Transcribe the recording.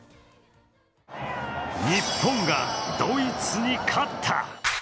日本がドイツに勝った！